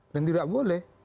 dan tidak boleh